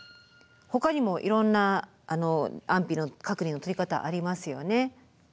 ほかにもいろんな安否の確認のとり方ありますよね。